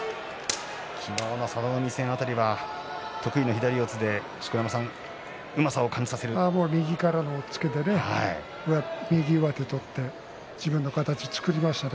昨日の佐田の海戦辺りは得意の左四つで右からの押っつけでね右上手を取って自分の形を作りましたね。